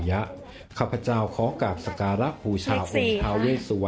ได้อะไรล่ะแม่โอ้ว